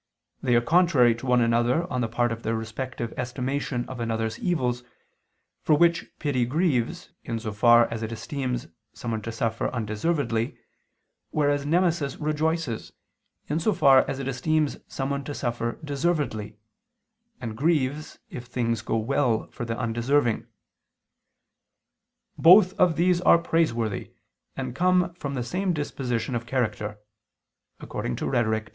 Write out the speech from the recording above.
They are contrary to one another on the part of their respective estimation of another's evils, for which pity grieves, in so far as it esteems someone to suffer undeservedly, whereas nemesis rejoices, in so far as it esteems someone to suffer deservedly, and grieves, if things go well with the undeserving: "both of these are praiseworthy and come from the same disposition of character" (Rhet. ii, 9).